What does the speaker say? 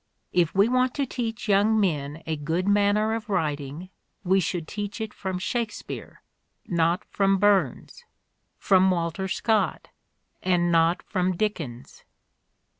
If we want to teach young men a good manner of writing we should teach it from Shakespeare, not from Burns ; from Walter Scott and not from Dickens."